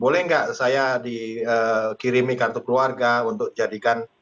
boleh nggak saya dikirimi kartu keluarga untuk jadikan